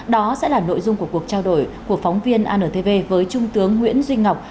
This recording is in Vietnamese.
đó sẽ là nội dung của cuộc trao đổi của phóng viên antv với trung tướng nguyễn duy ngọc